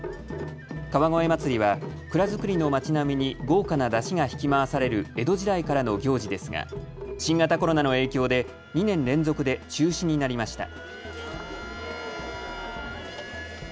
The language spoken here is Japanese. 川越まつりは蔵造りの町並みに豪華な山車が引き回される江戸時代からの行事ですが新型コロナの影響で２年連続で中止になりました。